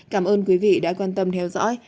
cảm ơn quý vị đã quan tâm theo dõi